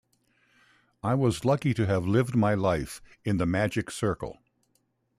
I was lucky to have lived my life in The Magic Circle.